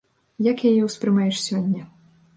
Як яе ўспрымаеш сёння?